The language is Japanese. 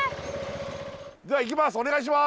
ではいきます。